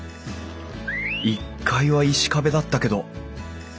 １階は石壁だったけど。